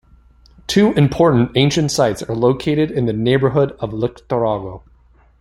Two important ancient sites are located in the neighbourhood of Litochoro.